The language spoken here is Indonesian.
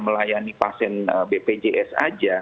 melayani pasien bpjs aja